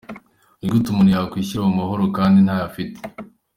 Ni gute umuntu yakwishyira mu mahoro kandi ntayo afite?.